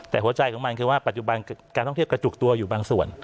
แต่หัวใจของมันคือว่าปัจจุบันการท่องเที่ยวกระจุกตัวอยู่บางส่วน